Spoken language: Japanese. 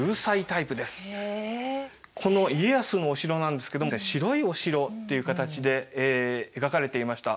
この家康のお城なんですけども白いお城っていう形で描かれていました。